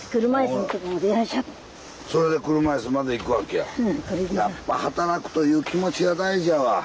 やっぱ働くという気持ちが大事やわ。